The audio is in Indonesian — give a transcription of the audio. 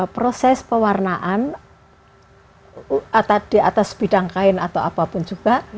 proses pewarnaan di atas bidang kain atau apapun juga